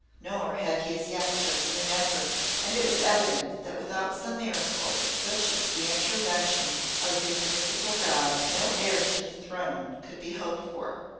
Nor had he as yet chosen an Empress, and it was evident that without some miracle, such as the intervention of the Municipal God, no heir to the throne could be hoped for.